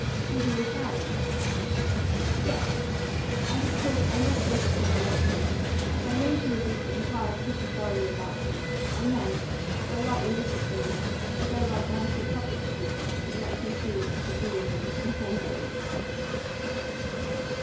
"Give you a character?" "Yes. And of course I must go to Colonel Lapham. My notion would be to inquire pretty thoroughly about him, and then, if I liked the look of things, to go right down to Republic Street and let him see what he could do with me, if anything."